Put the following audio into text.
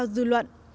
không sao dư luận